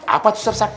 apa itu seresan